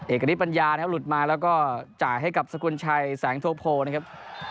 เอกริปัญญานะครับหลุดมาแล้วก็ใช้ให้กับศกวัลชัยแสงทกโพลนะครับ